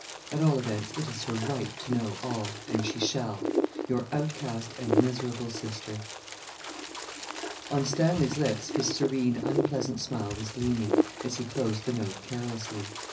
At all events, it is her right to know all and she shall. 'YOUR OUTCAST AND MISERABLE SISTER.' On Stanley's lips his serene, unpleasant smile was gleaming, as he closed the note carelessly.